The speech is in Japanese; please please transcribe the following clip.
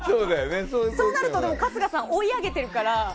そうなると春日さん、追い上げてるから。